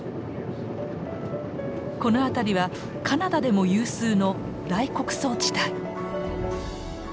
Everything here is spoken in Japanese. この辺りはカナダでも有数の大穀倉地帯。